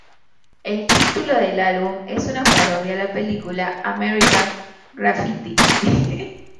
El título del álbum es una parodia a la película "American Graffiti".